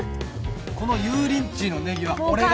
この油淋鶏のネギは俺が。